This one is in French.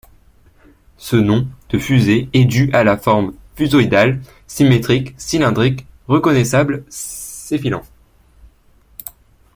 Ce nom de fusée est dû à la forme fusoïdale, symétrique, cylindrique reconnaissable s'effilant.